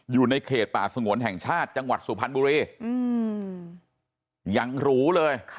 อยู่ในเขตป่าสงวนแห่งชาติจังหวัดสุพรรณบุรียังหรูเลย